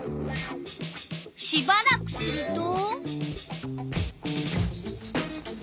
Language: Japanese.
しばらくすると。